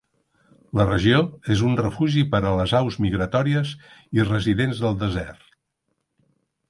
La regió és un refugi per a les aus migratòries i residents del desert.